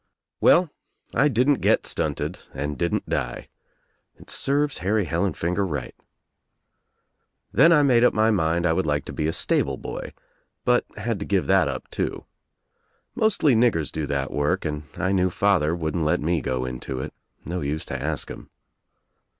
Well, I didn't get stunted and didn't die. It serves Harry Helllniinger right. Then I made up my mind I would like to be a stable boy, but had to give that op too. Mostly niggers do that work and I knew father wouldn't let me go into it. No use to ask him.